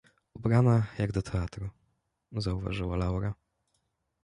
— Ubrana jak do teatru — zauważyła Laura.